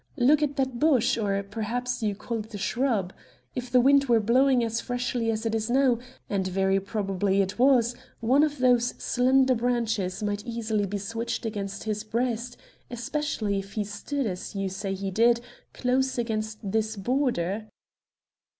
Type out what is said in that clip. Look at that bush, or perhaps you call it a shrub. If the wind were blowing as freshly as it is now, and very probably it was, one of those slender branches might easily be switched against his breast, especially if he stood, as you say he did, close against this border."